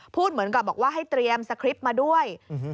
พูดเหมือนกับบอกว่าให้เตรียมสคริปต์มาด้วย